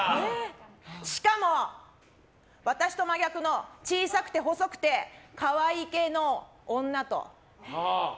しかも、私と真逆の小さくて細くて可愛い系の女と。